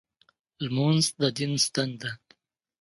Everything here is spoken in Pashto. لمونځ د دین ستن ده.